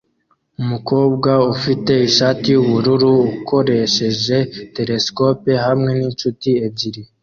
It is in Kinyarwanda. Umukobwa ufite ishati yubururu akoresheje telesikope hamwe ninshuti ebyiri